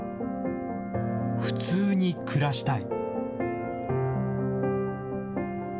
普通に暮らしたい。